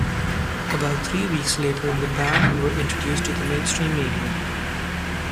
About three weeks later, the band were introduced to the mainstream media.